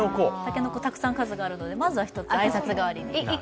たくさん数があるのでまずは１つ、挨拶代わりに。